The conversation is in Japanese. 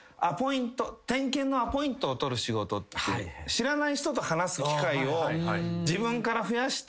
知らない人と話す機会を自分から増やして。